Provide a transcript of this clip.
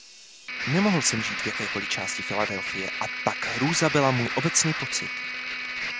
Nemohl jsem žít v jakékoliv části Filadelfie a tak hrůza byla můj obecný pocit.